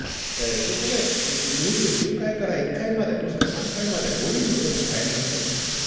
そこで２９階から１階まで、もしくは３階まで、下りるのでも大変なことなんですね。